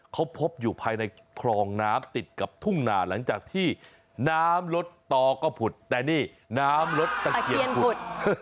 เขาพบอยู่ภายในคลองน้ำติดกับทุ่งนาหลังจากที่น้ำลดต่อก็ผุดแต่นี่น้ำลดตะเกียบผุด